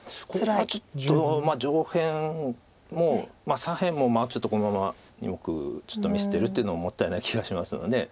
ここはちょっと上辺も左辺もまあちょっとこのまま２目見捨てるっていうのももったいない気がしますので。